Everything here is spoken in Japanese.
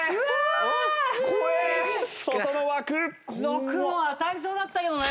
６も当たりそうだったけどね。